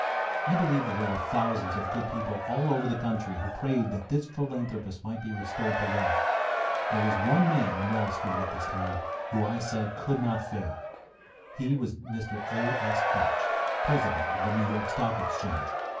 I believe there were thousands of good people all over the country who prayed that this philanthropist might be restored to wealth. There was one man in Wall Street at this time who I said could not fail. He was Mr. A.S. Hatch, President of the New York Stock Exchange.